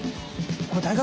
これ大学？